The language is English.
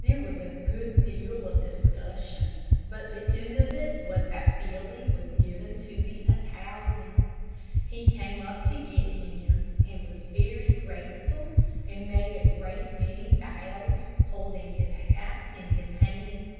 There was a good deal of discussion, but the end of it was that Billy was given to the Italian. He came up to get him, and was very grateful, and made a great many bows, holding his hat in his hand.